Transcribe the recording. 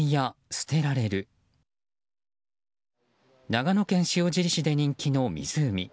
長野県塩尻市で人気の湖。